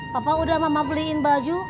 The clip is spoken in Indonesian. papa udah mama beliin baju